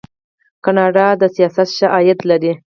کاناډا د سیاحت ښه عاید لري.